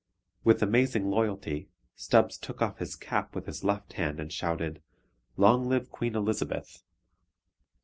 With amazing loyalty, Stubbs took off his cap with his left hand and shouted, "Long live Queen Elizabeth!"